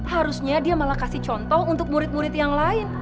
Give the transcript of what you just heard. harusnya dia malah kasih contoh untuk murid murid yang lain